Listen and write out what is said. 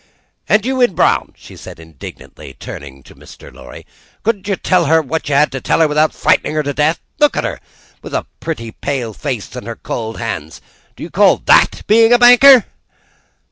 "And you in brown!" she said, indignantly turning to Mr. Lorry; "couldn't you tell her what you had to tell her, without frightening her to death? Look at her, with her pretty pale face and her cold hands. Do you call that being a Banker?"